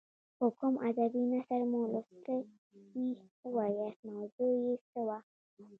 که کوم ادبي نثر مو لوستی وي ووایاست موضوع یې څه وه.